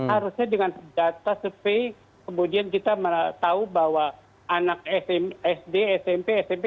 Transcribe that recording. harusnya dengan data survei kemudian kita tahu bahwa anak sd smp smp